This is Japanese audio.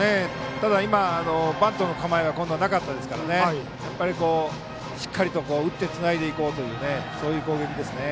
ただ、バントの構えが今度はなかったですからしっかりと打ってつないでいこうという攻撃ですね。